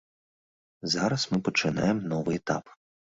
Зараз мы пачынаем новы этап.